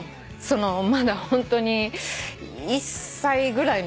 まだホントに１歳ぐらいのときかな。